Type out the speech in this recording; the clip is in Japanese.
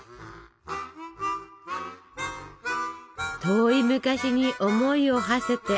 遠い昔に思いをはせて。